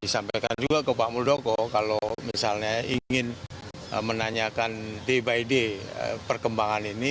disampaikan juga ke pak muldoko kalau misalnya ingin menanyakan day by day perkembangan ini